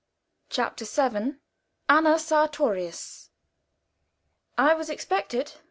CHAPTER VII. ANNA SARTORIUS. I was expected.